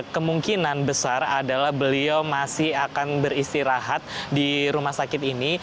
kemungkinan besar adalah beliau masih akan beristirahat di rumah sakit ini